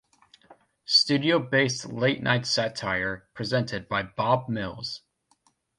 Studio-based late-night satire presented by Bob Mills.